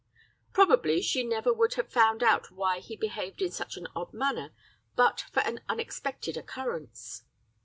"Probably she never would have found out why he behaved in such an odd manner but for an unexpected occurrence.